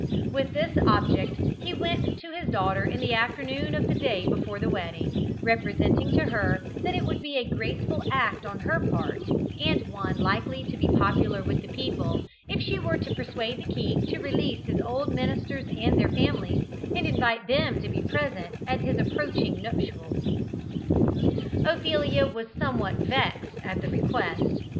With this object he went to his daughter in the afternoon of the day before the wedding, representing to her that it would be a graceful act on her part, and one likely to be popular with the people, if she were to persuade the king to release his old ministers and their families, and invite them to be present at his approaching nuptials. Ophelia was somewhat vexed at the request.